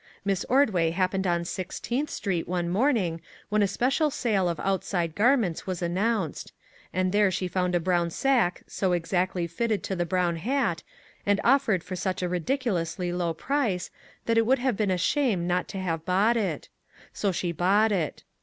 Miss Ordway happened on Sixteenth street one morning when a special sale of outside garments was an nounced, and there she found a brown sack so H7 MAG AND MARGARET exactly fitted to the brown hat, and offered for such a ridiculously low price, that it would have been a shame not to have bought it; so she bought it.